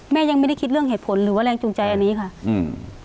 ยังไม่ได้คิดเรื่องเหตุผลหรือว่าแรงจูงใจอันนี้ค่ะอืม